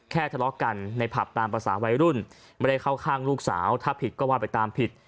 ทะเลาะกันในผับตามภาษาวัยรุ่นไม่ได้เข้าข้างลูกสาวถ้าผิดก็ว่าไปตามผิด